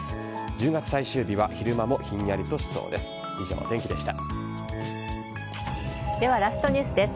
１０月最終日は昼間もひんやりとしそうです。